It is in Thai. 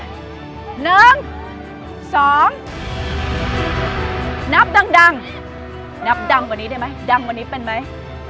หนึ่งสองนับดังนับดังกว่านี้ได้ไหมดังกว่านี้เป็นไหม